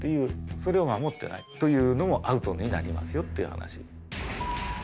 それを守ってないというのもアウトになりますよっていう話。